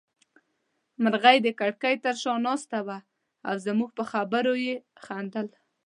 مرغۍ د کړکۍ تر شا ناسته وه او زموږ په خبرو يې خندل.